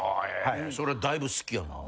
それだいぶ好きやなぁ。